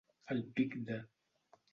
Al pic de.